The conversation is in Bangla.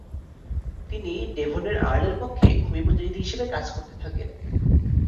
তিনি ডেভনের আর্লের পক্ষে ভূমি প্রতিনিধি হিসেবে কাজ করতে থাকেন।